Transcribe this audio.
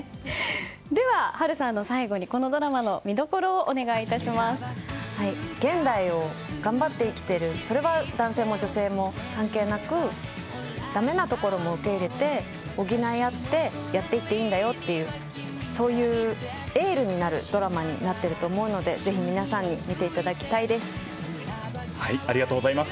では波瑠さん、最後にこのドラマの見どころを現代を頑張って生きているそれは男性も女性も関係なくだめなところも受け入れて補い合ってやっていっていいんだよってそういうエールになるドラマになっていると思うのでぜひ皆さんにありがとうございます。